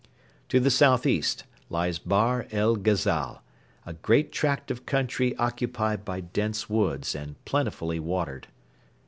To the south east lies Bahr el Ghazal, a great tract of country occupied by dense woods and plentifully watered.